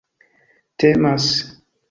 temas